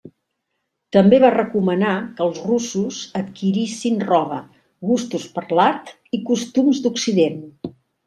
També va recomanar que els russos adquirissin roba, gustos per l'art i costums d'occident.